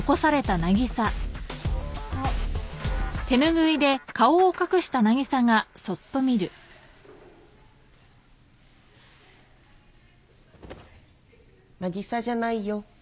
あ渚じゃないよ